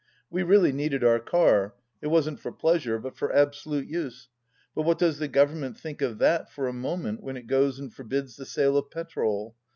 We really needed our car — it wasn't for pleasure, but for absolute use — but does the Government think of that for a moment, when it goes and forbids the sale of petrol